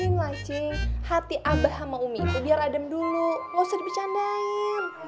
biarin lah cing hati abah sama umi itu biar adem dulu nggak usah dibercandain